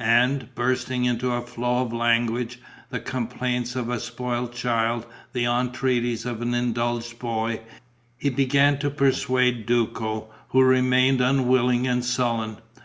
And, bursting into a flow of language, the complaints of a spoiled child, the entreaties of an indulged boy, he began to persuade Duco, who remained unwilling and sullen.